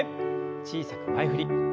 小さく前振り。